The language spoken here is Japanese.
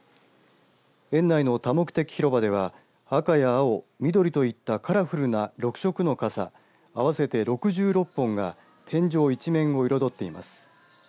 園内の多目的広場では赤や青、緑といったカラフルな６色の傘合わせて６６本が天井一面を彩っています。